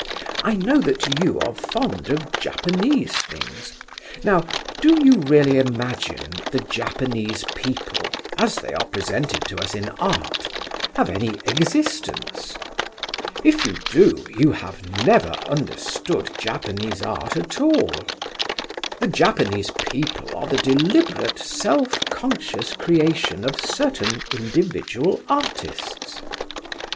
I know that you are fond of Japanese things. Now, do you really imagine that the Japanese people, as they are presented to us in art, have any existence? If you do, you have never understood Japanese art at all. The Japanese people are the deliberate self conscious creation of certain individual artists.